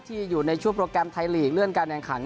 อยู่ในช่วงโปรแกรมไทยลีกเลื่อนการแข่งขัน